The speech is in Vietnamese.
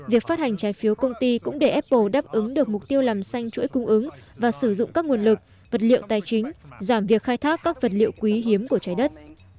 việc phát hành trái phiếu công ty cũng để apple đáp ứng được mục tiêu làm xanh chuỗi cung ứng và sử dụng các nguồn lực vật liệu tài chính giảm việc khai thác các vật liệu quý hiếm của trái đất